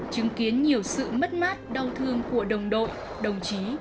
chứng kiến nhiều sự mất mát đau thương của đồng đội đồng chí